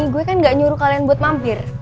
gue kan gak nyuruh kalian buat mampir